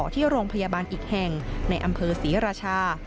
ที่โรงพยาบาลอีกแห่งในอำเภอศรีราชา